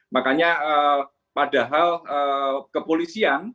makanya padahal kepolisian